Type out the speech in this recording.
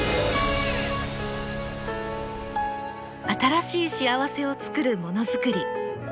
新しい幸せをつくるものづくり。